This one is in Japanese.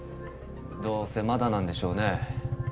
どうせまだなんでしょうね